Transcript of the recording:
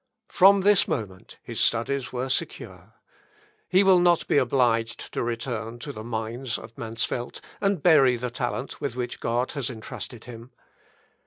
From this moment his studies were secure. He will not be obliged to return to the mines of Mansfeld, and bury the talent with which God has entrusted him.